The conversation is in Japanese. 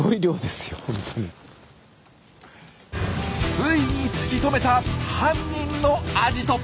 ついに突き止めた犯人のアジト。